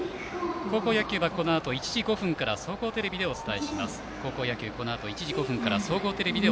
高校野球はこのあと１時５分から総合テレビでお伝えします。